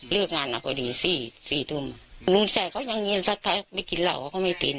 เลือกว่าดีสี่สี่ทุ่มลูกแสงเขายังเย็นสักทีไม่กลิ่นเหล่าเขาก็ไม่เป็น